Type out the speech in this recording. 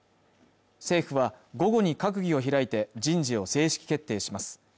政府は午後に閣議を開いて人事を正式決定します